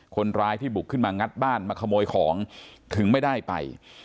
คนร้ายที่บุกขึ้นมางัดบ้านมาขโมยของถึงไม่ได้ไป